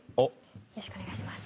よろしくお願いします。